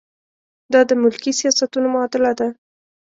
دا د ملکي سیاستونو معادله ده.